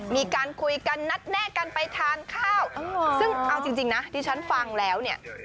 มีการคุยกันนัดแนะกันไปทานข้าวซึ่งเอาจริงนะที่ฉันฟังแล้วเนี่ย